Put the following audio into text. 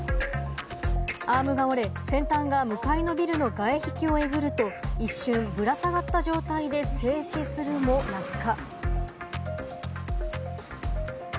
アームが折れ、先端が向かいのビルの外壁をえぐると、一瞬ぶら下がった状態で静止するも落下。